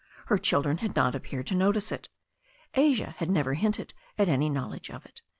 Her children had not appeared to notice it. Asia had never hinted at any knowl edge of it.